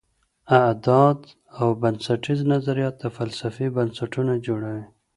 اعداد او بنسټیز نظریات د فلسفې بنسټونه جوړوي.